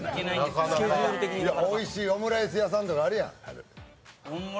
おいしいオムライス屋さんとかあるやん。